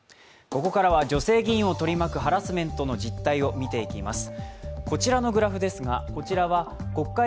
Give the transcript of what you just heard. ここからは女性議員を取り巻くハラスメントの実態を見ていきます。